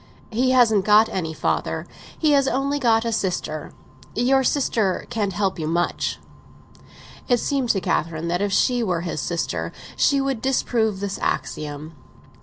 "He hasn't got any father—he has only got a sister. Your sister can't help you much." It seemed to Catherine that if she were his sister she would disprove this axiom.